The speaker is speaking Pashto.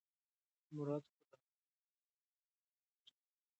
مراد خپله هم دغو سندریزو ولولو ته څڼې غورځولې.